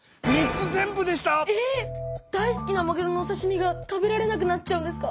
大好きなまぐろのおさしみが食べられなくなっちゃうんですか。